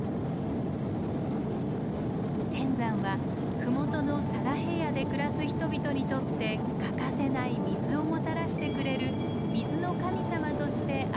天山は麓の佐賀平野で暮らす人々にとって欠かせない水をもたらしてくれる水の神様としてあがめられていたのです。